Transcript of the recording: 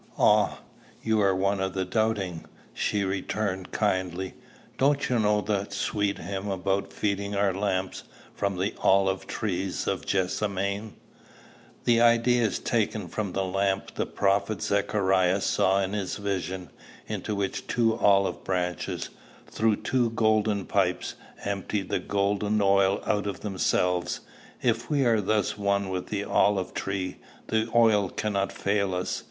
"Ah, you are one of the doubting!" she returned kindly. "Don't you know that sweet hymn about feeding our lamps from the olive trees of Gethsemane? The idea is taken from the lamp the prophet Zechariah saw in his vision, into which two olive branches, through two golden pipes, emptied the golden oil out of themselves. If we are thus one with the olive tree, the oil cannot fail us.